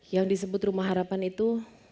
yang disebut rumah harapan itu